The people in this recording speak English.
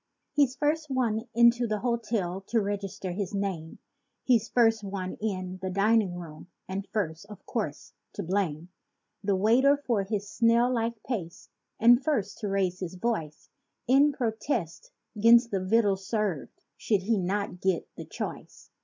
He's first one into the hotel to register his name; He's first one in the dining room and first, of course to blame The waiter for his "snail like pace," and first to raise his voice In protest 'gainst the victuals served, should he not get the choice.